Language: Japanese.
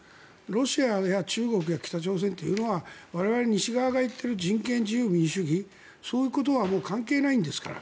ロシアや中国や北朝鮮というのは我々、西側が言っている人権、自由、民主主義そういうことは関係ないんですから。